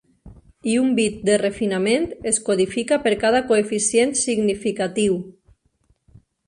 I un bit de refinament es codifica per cada coeficient significatiu.